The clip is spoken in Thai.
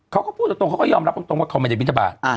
เขาก็พูดตรงเขาก็ยอมรับตรงว่าเขาไม่ได้บินทบาท